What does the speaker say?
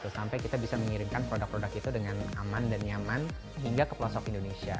sampai kita bisa mengirimkan produk produk itu dengan aman dan nyaman hingga ke pelosok indonesia